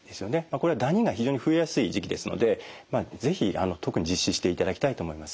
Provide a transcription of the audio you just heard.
これはダニが非常に増えやすい時期ですのでまあ是非特に実施していただきたいと思います。